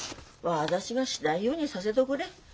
私がしたいようにさせとくれ。